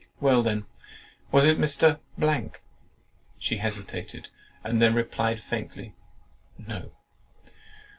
"Well, then, was it Mr. ——?" She hesitated, and then replied faintly, "No."